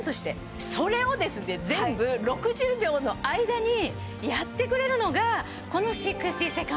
それを全部６０秒の間にやってくれるのが。